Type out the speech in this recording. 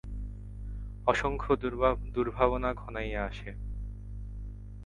অসংখ্য দুর্ভাবনা ঘনাইয়া আসে।